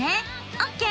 オッケー！